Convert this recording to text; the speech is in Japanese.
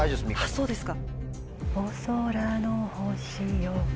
そうですか。